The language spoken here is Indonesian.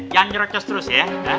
jangan nyerocos terus ya